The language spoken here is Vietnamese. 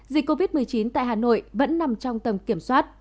dịch covid một mươi chín tại hà nội vẫn nằm trong tầm kiểm soát